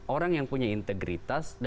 orang yang punya integritas